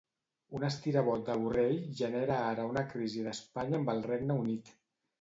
Un estirabot de Borrell genera ara una crisi d'Espanya amb el Regne Unit.